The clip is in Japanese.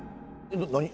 何？